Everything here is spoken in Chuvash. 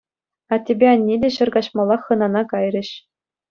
Аттепе анне те ҫӗр каҫмаллах хӑнана кайрӗҫ.